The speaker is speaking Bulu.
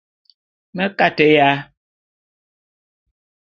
Me kateya.